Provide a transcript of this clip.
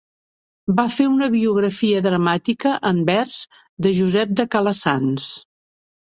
Va fer una biografia dramàtica, en vers, de Josep de Calassanç.